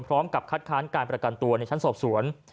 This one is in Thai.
พร้อมกับคัดค้านการประกันตัวในชั้นสอบสวน